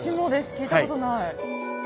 聞いたことない。